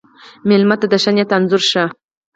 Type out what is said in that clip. مېلمه ته د ښه نیت انځور شه.